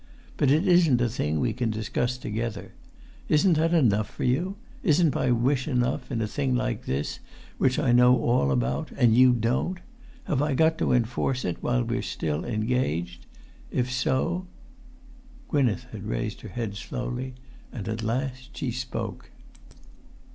But it isn't a thing we can discuss together. Isn't that enough for you? Isn't my wish enough, in a thing like this, which I know all about and you don't? Have I got to enforce it while we're still engaged? If so——" Gwynneth had raised her head slowly, and at last she spoke.